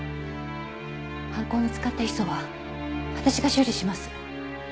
犯行に使ったヒ素は私が処理します。